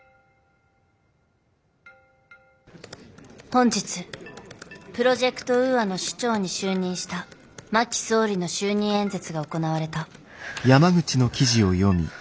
本日プロジェクト・ウーアの首長に就任した真木総理の就任演説が行われた。